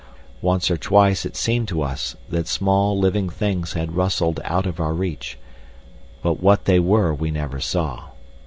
Once or twice it seemed to us that small living things had rustled out of our reach, but what they were we never saw.